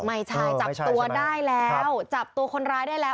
ไม่ใช่จับตัวได้แล้วจับตัวคนร้ายได้แล้ว